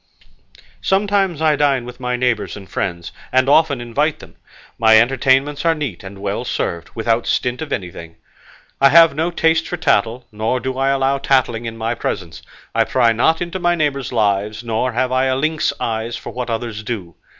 Sometimes I dine with my neighbours and friends, and often invite them; my entertainments are neat and well served without stint of anything. I have no taste for tattle, nor do I allow tattling in my presence; I pry not into my neighbours' lives, nor have I lynx eyes for what others do.